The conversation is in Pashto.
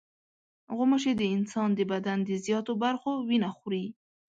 غوماشې د انسان د بدن د زیاتو برخو وینه خوري.